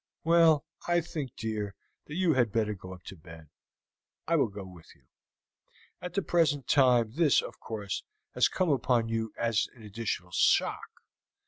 "Well, I think, dear, that you had better go up to bed. I will go with you. At the present time this, of course, has come upon you as an additional shock.